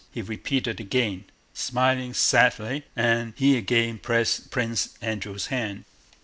he repeated again, smiling sadly, and he again pressed Prince Andrew's hand.